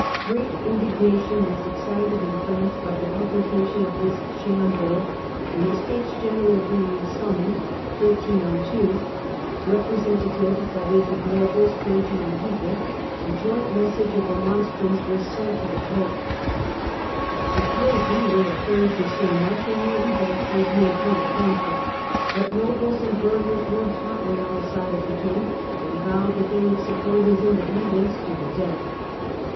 Great indignation was excited in France by the pubhcation of this sham Bull, and a States General being summoned — representa states tives, that is, of nobles, clergy and people — a joint mes 13^2^''* ' sage of remonstrance was sent to the Pope. The clergy were afraid to say much, and merely begged for unity and friendship, but nobles and burghers were hotly on the side of the King, and vowed that they would support his independence to the death.